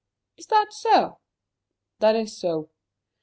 "Is that so?" "That is so."